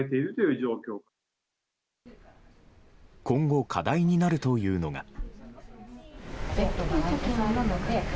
今後、課題になるというのが。